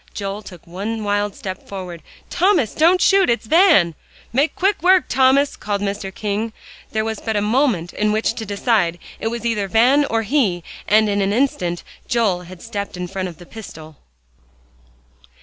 Joel took one wild step forward. "Thomas don't shoot! It's Van!" "Make quick work, Thomas!" called Mr. King. There was but a moment in which to decide. It was either Van or he; and in an instant Joel had stepped in front of the pistol.